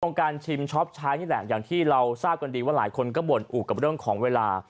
การชิมช็อปใช้นี่แหละอย่างที่เราทราบกันดีว่าหลายคนก็บ่นอุบกับเรื่องของเวลา